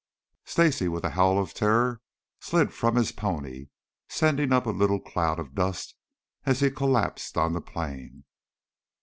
Stacy with a howl of terror slid from his pony, sending up a little cloud of dust as he collapsed on the plain.